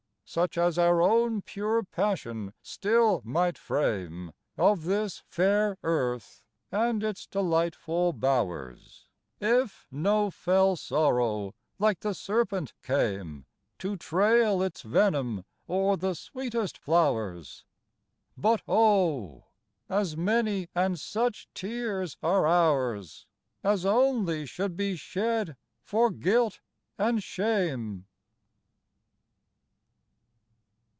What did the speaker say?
Such as our own pure passion still might frame, Of this fair earth, and its delightful bow'rs, If no fell sorrow, like the serpent, came To trail its venom o'er the sweetest flow'rs; But oh! as many and such tears are ours, As only should be shed for guilt and shame!